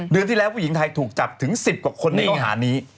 เดือนที่แล้วผู้หญิงไทยถูกจับถึง๑๐กว่าคนในข้อหานี้